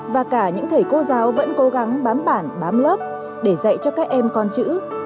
và cả những thầy cô giáo vẫn cố gắng bám bản bám lớp để dạy cho các em con chữ